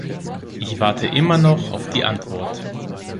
Ich warte immer noch auf die Antwort.